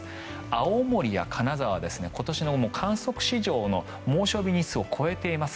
青森や金沢は今年の観測史上の猛暑日日数を超えています。